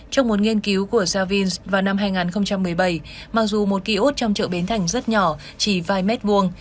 trong một nghiên cứu của savins vào năm hai nghìn một mươi bảy mặc dù một kiosk trong chợ bến thành rất nhỏ chỉ vài mét vuông